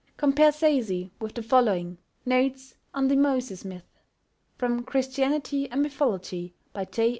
Compare Sayce with the following "Notes on the Moses Myth," from Christianity and Mythology, by J.